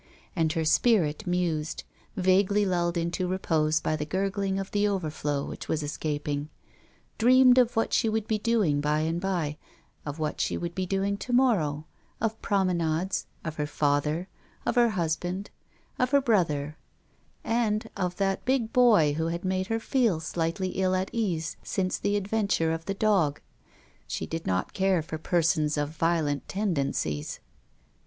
And her spirit mused, vaguely lulled into repose by the gurgling of the overflow which was escaping dreamed of what she would be doing by and by, of what she would be doing to morrow, of promenades, of her father, of her husband, of her brother, and of that big boy who had made her feel slightly ill at ease since the adventure of the dog. She did not care for persons of violent tendencies.